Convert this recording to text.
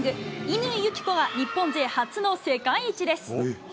乾友紀子は日本勢初の世界一です。